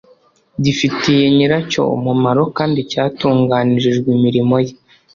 gifitiye nyiracyo umumaro kandi cyatunganirijwe imirimo ye